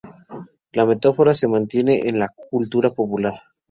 La metáfora se mantiene en la cultura popular.